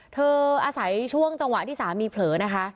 อาศัยช่วงจังหวะที่สามีเผลอนะคะ